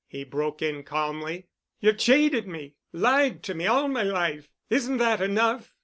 he broke in calmly. "You've cheated me—lied to me all my life—isn't that enough?